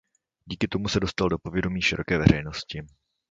Díky tomu se dostal do povědomí široké veřejnosti.